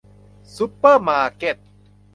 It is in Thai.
ซุปเปอร์มาร์เก็ต